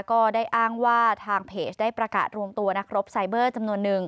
ก็ได้อ้างว่าทางเพจได้ประกาศรวมตัวนักรบไซเบอร์จำนวนนึง